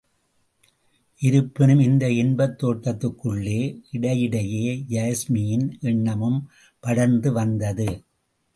இருப்பினும், இந்த இன்பத் தோட்டத்துக்குள்ளே இடையிடையே யாஸ்மியின் எண்ணமும் படர்ந்து வந்தது.